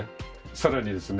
さらにですね